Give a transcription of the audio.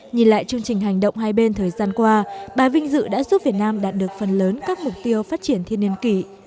nhìn lại chương trình hành động hai bên thời gian qua bà vinh dự đã giúp việt nam đạt được phần lớn các mục tiêu phát triển thiên niên kỷ